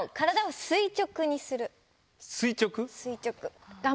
垂直？